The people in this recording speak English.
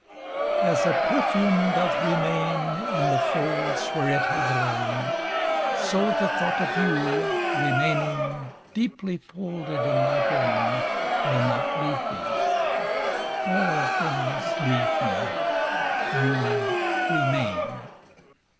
AS a perfume doth remain In the folds where it hath lain, So the thought of you, remaining Deeply folded in my brain. Will not leave me : all things leave me : You remain.